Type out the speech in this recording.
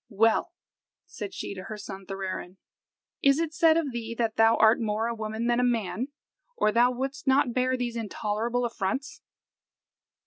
"Well," said she to her son Thorarin, "is it said of thee that thou art more a woman than a man, or thou wouldst not bear these intolerable affronts."